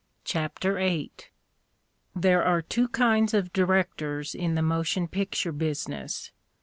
CHAPTER VIII There arc two kinds of directors in the motion picture business.